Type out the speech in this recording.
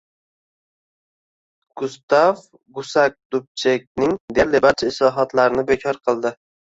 Gustav Gusak Dubchekning deyarli barcha islohotlarini bekor qildi.